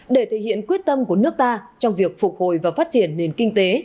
để thể hiện quyết tâm của nước ta trong việc phục hồi và phát triển nền kinh tế